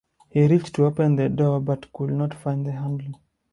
He reached to open the door but could not find the handle.